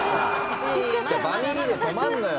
「バミリで止まるのよ。